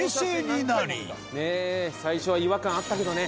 「最初は違和感あったけどね」